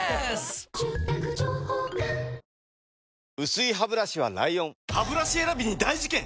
薄いハブラシは ＬＩＯＮハブラシ選びに大事件！